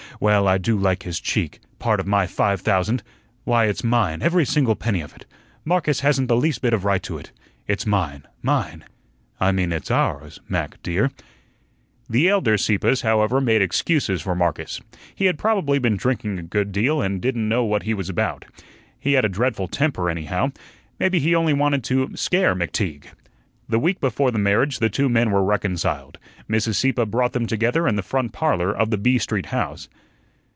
Well, I do like his cheek; part of my five thousand! Why, it's mine, every single penny of it. Marcus hasn't the least bit of right to it. It's mine, mine. I mean, it's ours, Mac, dear." The elder Sieppes, however, made excuses for Marcus. He had probably been drinking a good deal and didn't know what he was about. He had a dreadful temper, anyhow. Maybe he only wanted to scare McTeague. The week before the marriage the two men were reconciled. Mrs. Sieppe brought them together in the front parlor of the B Street house.